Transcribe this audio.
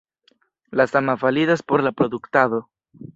La sama validas por la produktado.